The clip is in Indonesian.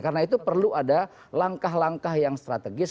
karena itu perlu ada langkah langkah yang strategis